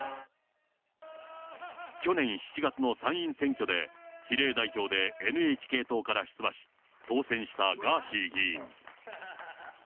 去年７月の参院選挙で、比例代表でＮＨＫ党から出馬し、当選したガーシー議員。